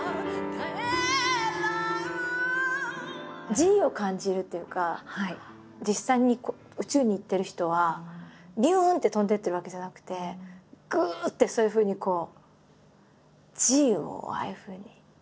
Ｇを感じるというか実際に宇宙に行ってる人はびゅんって飛んでいってるわけじゃなくてぐってそういうふうにこうＧをああいうふうに。